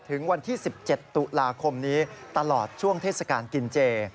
ถึงวันที่๑๗ตุลาคมนี้ตลอดช่วงเทศกาลกินเจ